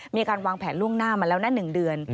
มีการวางแผนล่วงหน้ามาแล้วนะ๑เดือน